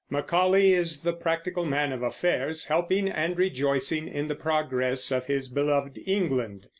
Macaulay is the practical man of affairs, helping and rejoicing in the progress of his beloved England.